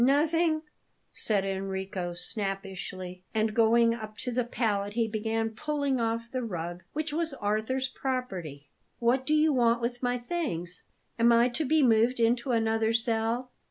"Nothing," said Enrico snappishly; and, going up to the pallet, he began pulling off the rug, which was Arthur's property. "What do you want with my things? Am I to be moved into another cell?"